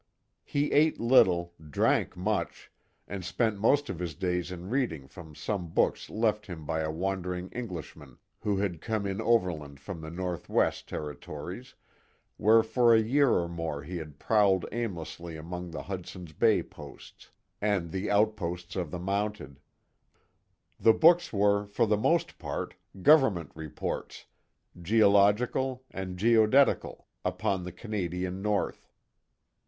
He ate little, drank much, and spent most of his days in reading from some books left him by a wandering Englishman who had come in overland from the North west territories, where for a year or more he had prowled aimlessly among the Hudson's Bay posts, and the outposts of the Mounted. The books were, for the most part, government reports, geological, and geodetical, upon the Canadian North.